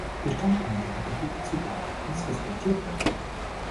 Der Standpunkt der Republik Zypern muss respektiert werden.